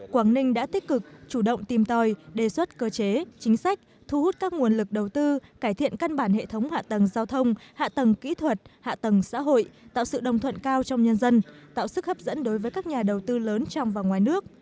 quảng ninh đã tích cực chủ động tìm tòi đề xuất cơ chế chính sách thu hút các nguồn lực đầu tư cải thiện căn bản hệ thống hạ tầng giao thông hạ tầng kỹ thuật hạ tầng xã hội tạo sự đồng thuận cao trong nhân dân tạo sức hấp dẫn đối với các nhà đầu tư lớn trong và ngoài nước